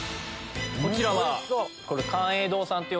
こちらは？